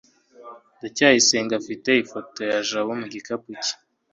ndacyayisenga afite ifoto ya jabo mu gikapu cye